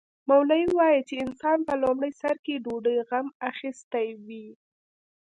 مولوي وايي چې انسان په لومړي سر کې ډوډۍ غم اخیستی وي.